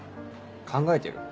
考えてる？